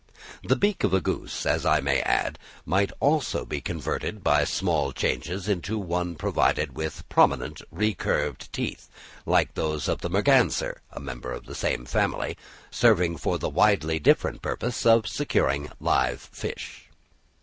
The beak of a goose, as I may add, might also be converted by small changes into one provided with prominent, recurved teeth, like those of the Merganser (a member of the same family), serving for the widely different purpose of securing live fish.